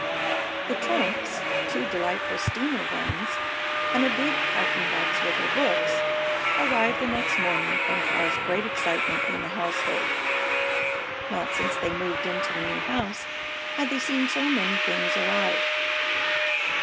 The trunks, two delightful steamer ones, and a big packing box with her books, arrived the next morning and caused great excitement in the household. Not since they moved into the new house had they seen so many things arrive.